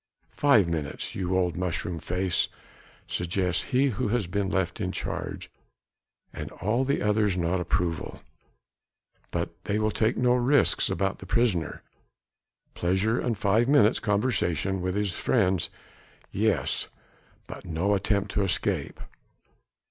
"Five minutes, you old mushroom face," suggests he who has been left in charge. And all the others nod approval. But they will take no risks about the prisoner. Pleasure and five minutes' conversation with his friends, yes! but no attempt at escape.